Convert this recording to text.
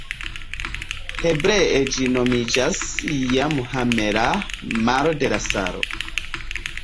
Hebree ĝi nomiĝas Jam Ha-melah, Maro de la Salo.